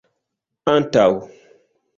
antaŭ